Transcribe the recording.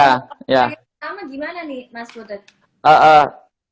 pertanyaan pertama gimana nih mas budut